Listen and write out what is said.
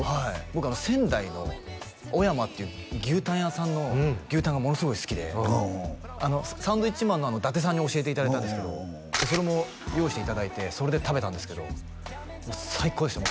僕仙台のおやまっていう牛たん屋さんの牛たんがものすごい好きでうんサンドウィッチマンの伊達さんに教えていただいたんですけどでそれも用意していただいてそれで食べたんですけど最高でした